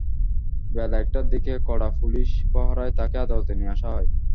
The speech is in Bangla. বেলা একটার দিকে কড়া পুলিশি প্রহরায় তাঁকে আদালতে নিয়ে আসা হয়।